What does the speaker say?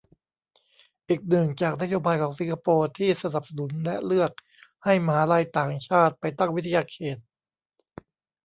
อีกหนึ่ง จากนโยบายของสิงคโปร์ที่สนับสนุน และเลือก ให้มหาลัยต่างชาติไปตั้งวิทยาเขต